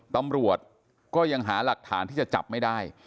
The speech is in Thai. ตำรวจก็ยังหาหลักฐานที่จะจับไม่ได้